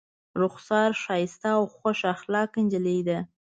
رخسار ښایسته او خوش اخلاقه نجلۍ ده.